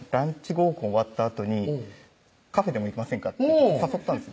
合コン終わったあとに「カフェでも行きませんか？」って誘ったんです